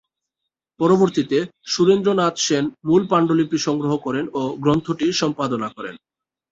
পরবর্তীতে, সুরেন্দ্রনাথ সেন মূল পাণ্ডুলিপি সংগ্রহ করেন ও গ্রন্থটি সম্পাদনা করেন।